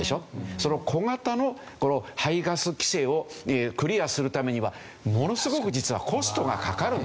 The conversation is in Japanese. その小型の排ガス規制をクリアするためにはものすごく実はコストがかかるんですよ。